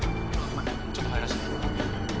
待ってちょっと入らせて。